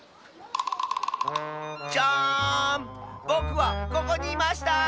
ぼくはここにいました！